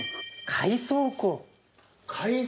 海藻！